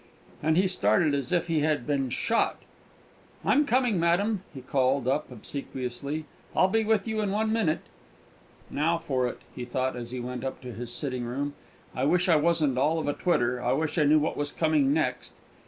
And he started as if he had been shot. "I'm coming, madam," he called up, obsequiously. "I'll be with you in one minute!" "Now for it," he thought, as he went up to his sitting room. "I wish I wasn't all of a twitter. I wish I knew what was coming next!"